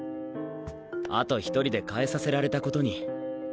あと１人で代えさせられたことに。